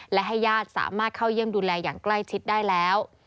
และให้ญาติสามารถเข้าเยี่ยมดูแลอย่างใกล้ชิดได้แล้ว